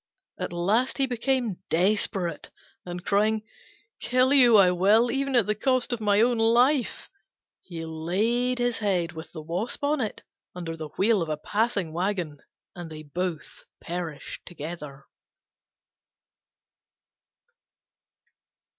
At last he became desperate, and crying, "Kill you I will, even at the cost of my own life," he laid his head with the Wasp on it under the wheel of a passing waggon, and they both perished together.